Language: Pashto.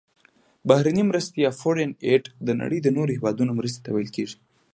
بهرنۍ مرستې Foreign Aid د نړۍ د نورو هیوادونو مرستې ته ویل کیږي.